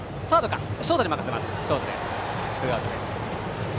ツーアウトです。